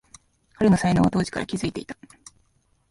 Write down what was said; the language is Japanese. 彼の才能は当時から気づいていた